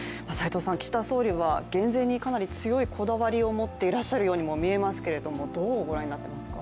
岸田総理は減税にかなり強いこだわりを持っているように見えますけれども、どう思われますか。